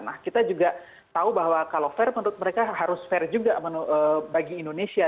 nah kita juga tahu bahwa kalau fair menurut mereka harus fair juga bagi indonesia